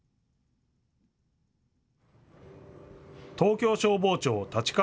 東京消防庁立川